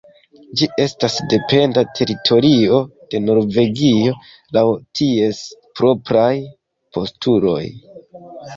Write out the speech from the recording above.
Ĝi estas dependa teritorio de Norvegio laŭ ties propraj postuloj.